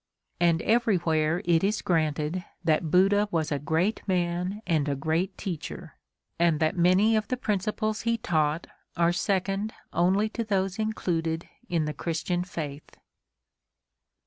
And everywhere it is granted that Buddha was a great man and a great teacher, and that many of the principles he taught are second only to those included in the Christian faith.